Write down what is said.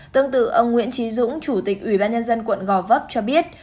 tương tự ông nguyễn trí dũng chủ tịch ủy ban nhân dân quận gò vấp cho biết